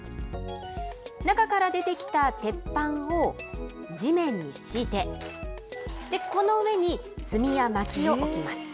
中から出てきた鉄板を地面に敷いて、この上に炭や薪を置きます。